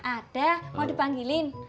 ada mau dipanggilin